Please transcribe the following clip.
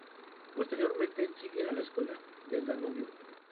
Posteriormente sigue a la Escuela del Danubio.